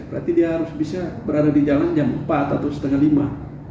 berarti dia harus bisa berada di jalan jam empat atau setengah lima